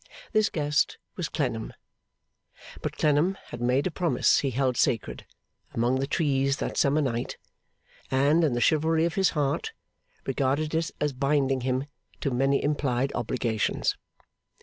This guest was Clennam. But Clennam had made a promise he held sacred, among the trees that summer night, and, in the chivalry of his heart, regarded it as binding him to many implied obligations.